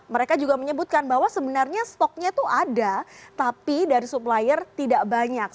mereka juga menyebutkan bahwa sebenarnya stoknya itu ada tapi dari supplier tidak banyak